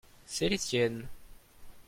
c'est les tiennes.